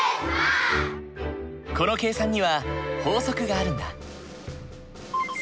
この計算には法則があるんだ。